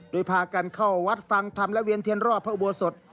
โดยพากันเข้าวัดฟังธรรมและเวียนเทียนรอบพระอุโบสถ